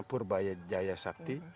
purba jaya sakti